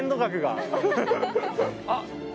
あっ！